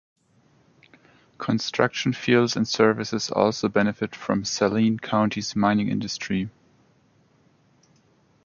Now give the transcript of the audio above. Construction fields and services also benefit from Saline County's mining industry.